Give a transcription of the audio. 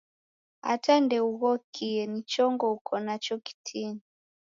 Ata ndeughokie ni chongo uko nacho kitini